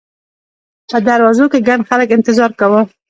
په دروازو کې ګڼ خلک انتظار کاوه.